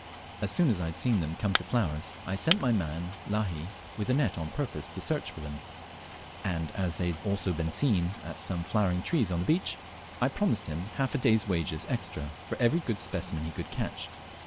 As soon as I had seen them come to flowers, I sent my man Lahi with a net on purpose to search for them, as they had also been seen at some flowering trees on the beach, and I promised him half a day's wages extra for every good specimen he could catch.